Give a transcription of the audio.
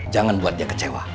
jangan buat dia kecewa